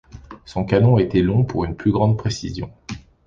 Son canon était long, pour une plus grande précision.